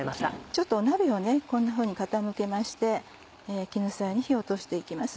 ちょっと鍋をこんなふうに傾けまして絹さやに火を通していきます。